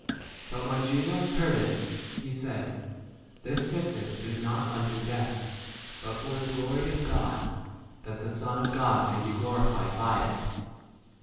But when Jesus heard [itj, he said, This sickness is not unto death, but for the glory of God, that the Son of 5 God may be glorified by it.